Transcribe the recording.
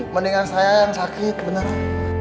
mendingan saya yang sakit beneran